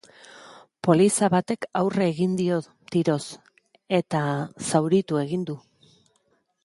Poliza batek aurre egin dio, tiroz, eta zauritu egin du.